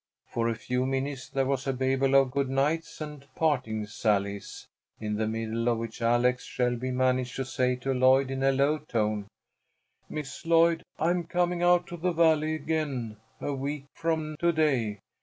For a few minutes there was a babel of good nights and parting sallies, in the midst of which Alex Shelby managed to say to Lloyd in a low tone, "Miss Lloyd, I am coming out to the Valley again a week from to day.